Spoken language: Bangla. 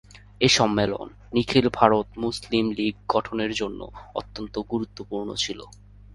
এই সম্মেলন নিখিল ভারত মুসলিম লীগ গঠনের জন্য অত্যন্ত গুরুত্বপূর্ণ ছিল।